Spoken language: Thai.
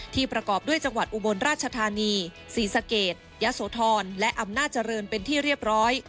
ประกอบด้วยจังหวัดอุบลราชธานีศรีสะเกดยะโสธรและอำนาจริงเป็นที่เรียบร้อย